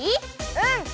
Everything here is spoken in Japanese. うん！